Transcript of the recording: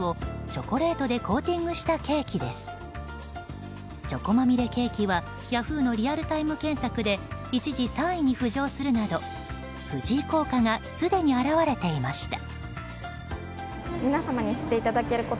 チョコまみれケーキはヤフーのリアルタイム検索で一時３位に浮上するなど藤井効果がすでに表れていました。